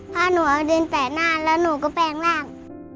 พาหนูเอาดินแปะหน้าหนูก็แปงอันแรง